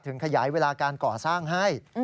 ถึงขยายเวลาก่อสร้างให้